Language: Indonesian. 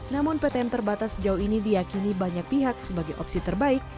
namun ptm terbatas sejauh ini diakini banyak pihak sebagai opsi terbaik